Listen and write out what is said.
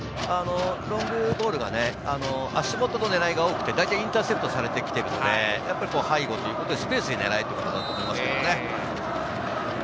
ロングボールが、足元の狙いが多くてインターセプトされてきているので背後というところでスペースを狙えっていうことだと思いますね。